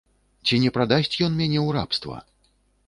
Ці не прадасць ён мяне ў рабства?